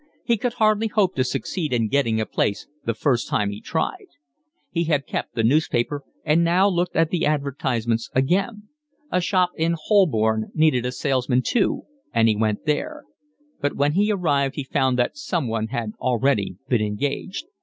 He could hardly hope to succeed in getting a place the first time he tried. He had kept the newspaper and now looked at the advertisements again: a shop in Holborn needed a salesman too, and he went there; but when he arrived he found that someone had already been engaged.